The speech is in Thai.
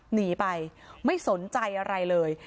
หนีไปไม่สนใจอะไรเลย